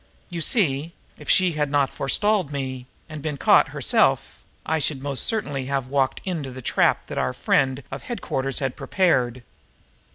You see, if she had not forestalled me and been caught herself, I should most certainly have walked into the trap that our friend of headquarters had prepared.